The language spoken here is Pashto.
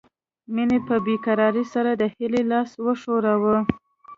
مينې په بې قرارۍ سره د هيلې لاس وښوراوه